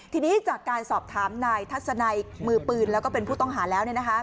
ทีนี้จากการสอบถามนายทัศนัยมือปืนแล้วก็เป็นผู้ต้องหาแล้ว